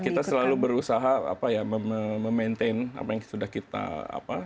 ya kita selalu berusaha apa ya memaintain apa yang sudah kita apa